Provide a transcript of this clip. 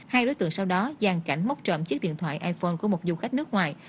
hai đối tượng sau đó gian cảnh móc trộm chiếc điện thoại iphone của một du khách nước ngoài